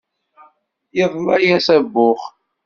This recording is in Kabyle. Iḍla-yas abux.